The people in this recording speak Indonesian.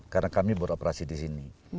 karena kami beroperasi di sini